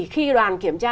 khi đoàn kiểm tra